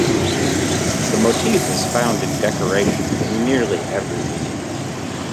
The motif is found in decoration in nearly every medium.